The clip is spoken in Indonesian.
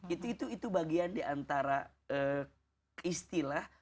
itu bagian diantara istilah